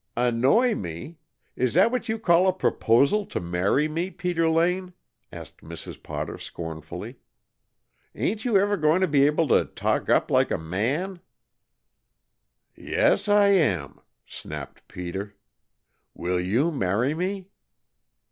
"Annoy me? Is that what you call a proposal to marry me, Peter Lane?" asked Mrs. Potter scornfully. "Ain't you ever goin' to be able to talk up like a man!" "Yes, I am," snapped Peter. "Will you marry me?"